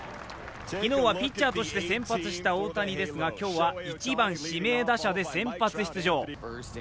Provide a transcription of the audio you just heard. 昨日はピッチャーとして先発した大谷ですが、今日は１番・指名打者で先発出場。